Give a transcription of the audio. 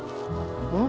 うん？